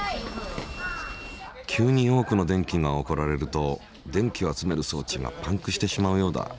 急に多くの電気が送られると電気を集める装置がパンクしてしまうようだ。